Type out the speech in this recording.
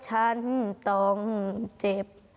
ฉันต้องเจ็บ